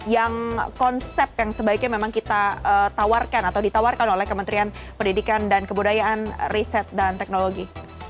yang konsep yang sebaiknya memang kita tawarkan atau ditawarkan oleh kementerian pendidikan dan kebudayaan riset dan teknologi